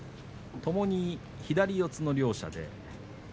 ともに左四つの両者。